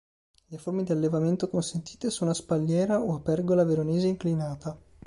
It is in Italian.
Le forme di allevamento consentite sono a spalliera o a pergola veronese inclinata.